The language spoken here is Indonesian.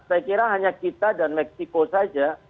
saya kira hanya kita dan meksiko saja